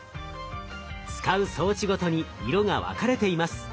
使う装置ごとに色が分かれています。